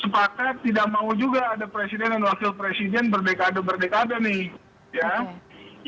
sepakat tidak mau juga ada presiden dan wakil presiden berdekade berdekade nih